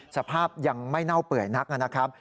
สภาพยังไม่เน่าเปื่อยนักนะครับ